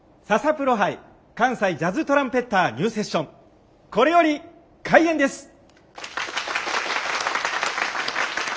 ササプロ杯関西ジャズトランペッターニューセッションこれより開演です。